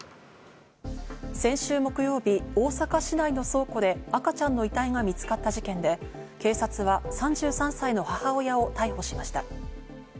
先週木曜日、大阪市内の倉庫で赤ちゃんの遺体が見つかった事件で、警察は３３歳の母親を逮捕しました。